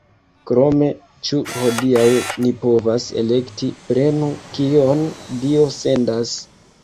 Krome, ĉu hodiaŭ ni povas elekti: prenu, kion Dio sendas!